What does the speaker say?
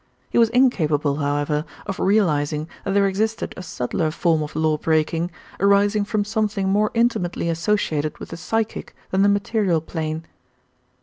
He was incapable, however, of realising that there existed a subtler form of law breaking, arising from something more intimately associated with the psychic than the material plane.